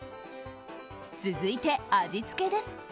続いて味付けです。